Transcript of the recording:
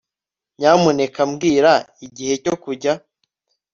Nyamuneka mbwira igihe cyo kujya